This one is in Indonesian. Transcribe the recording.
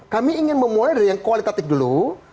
kami ingin memulai dari yang kualitatif dulu